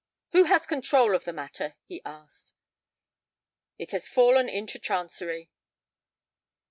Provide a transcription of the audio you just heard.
"Who has the control of the matter?" he asked. "It has fallen into Chancery."